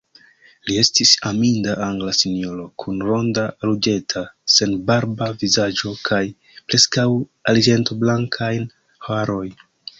Li estis aminda angla sinjoro kun ronda, ruĝeta, senbarba vizaĝo kaj preskaŭ arĝentoblankaj haroj.